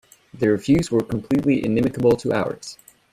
Their views were completely inimicable to ours.